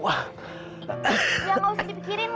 ya nggak usah dipikirin